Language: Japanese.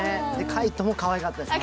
海音もかわいかったです。